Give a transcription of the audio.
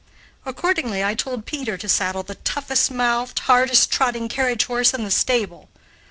Accordingly I told Peter to saddle the toughest mouthed, hardest trotting carriage horse in the stable.